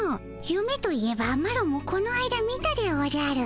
ゆめといえばマロもこのあいだ見たでおじゃる。